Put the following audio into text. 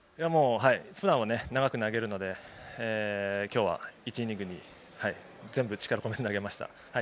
普段は長く投げるので今日は１イニングに全部力を込めて投げました。